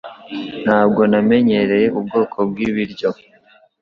Ntabwo namenyereye ubwoko bwibiryo